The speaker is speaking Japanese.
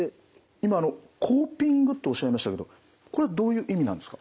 今あのコーピングとおっしゃいましたけどこれはどういう意味なんですか？